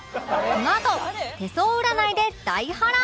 このあと手相占いで大波乱！